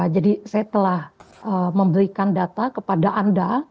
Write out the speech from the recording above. jadi saya telah memberikan data kepada anda